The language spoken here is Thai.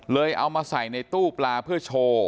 เอามาใส่ในตู้ปลาเพื่อโชว์